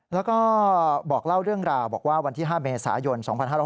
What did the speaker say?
แล้วก็บอกเล่าเรื่องราวบอกว่าวันที่๕เมษายน๒๕๖๐